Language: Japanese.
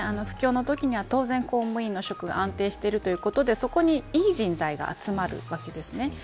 不況のときは、当然公務員の職が安定してるてことでそこに、いい人材が集まるわけです。